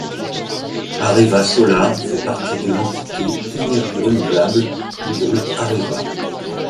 Areva Solar fait partie de l'entité Énergies Renouvelables du groupe Areva.